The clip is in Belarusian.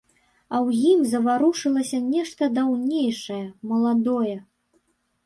А ў ім заварушылася нешта даўнейшае, маладое.